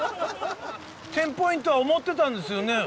テンポイントは思ってたんですよね。